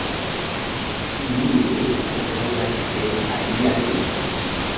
Simile okazas en aliaj lingvoj.